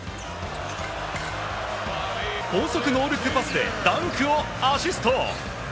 高速ノールックパスでダンクをアシスト。